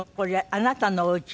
あなたのおうち？